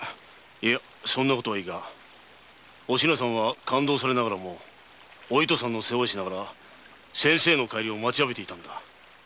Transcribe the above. そんな事はいいがお品さんは勘当されながらもお糸さんの世話をして先生の帰りを待ちわびていたのだ。